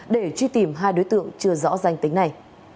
để truy tìm hai đối tượng chưa rõ danh tính này